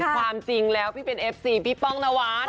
ความจริงแล้วพี่เป็นเอฟซีพี่ป้องนวัด